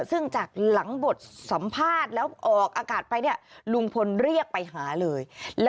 ซึ่งจากหลังบทสัมภาษณ์แล้วออกอากาศไปเนี่ยลุงพลเรียกไปหาเลย